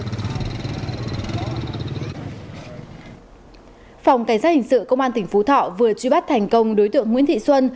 phòng cảnh sát hình sự công an tỉnh phú thọ vừa truy bắt thành công đối tượng nguyễn thị xuân